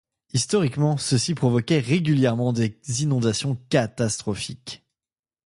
Historiquement, ceci provoquait régulièrement des inondations catastrophiques.